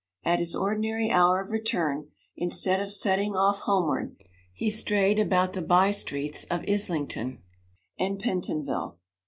At his ordinary hour of return, instead of setting off homeward, he strayed about the by streets of Islington and Pentonville.